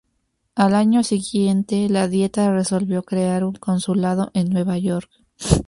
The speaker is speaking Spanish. Al año siguiente, la Dieta resolvió crear un consulado en Nueva York.